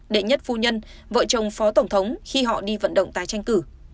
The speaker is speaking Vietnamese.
đệ nhất phu nhân vợ chồng phó tổng thống khi họ đi vận động tái tranh cử